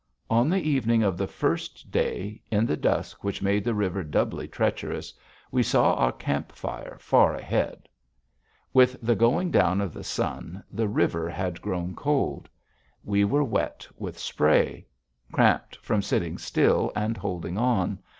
On the evening of the first day, in the dusk which made the river doubly treacherous, we saw our camp fire far ahead. With the going down of the sun, the river had grown cold. We were wet with spray, cramped from sitting still and holding on.